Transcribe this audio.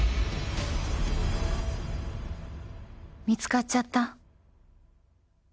見つかっちゃった。